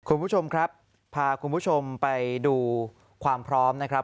คุณผู้ชมครับพาคุณผู้ชมไปดูความพร้อมนะครับ